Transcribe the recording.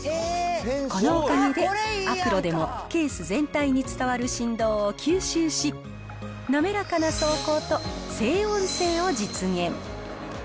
このおかげで、悪路でもケース全体に伝わる振動を吸収し、滑らかな走行と静音性を実現。